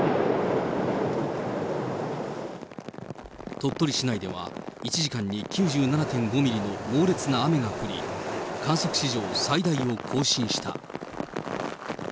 鳥取市内では１時間に９７．５ミリの猛烈な雨が降り、観測史上最大を更新した。